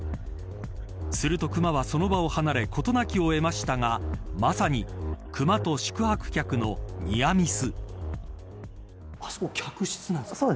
するとクマはその場を離れ事なきを得ましたがまさにクマと宿泊客のニアミス。